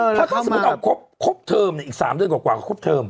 เพราะถ้าสมมุติเอาครบเทอมอีก๓เดือนกว่าก็ครบเทอม